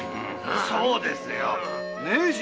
そうですよ。ねえ新さん！